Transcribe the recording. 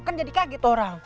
kan jadi kaget orang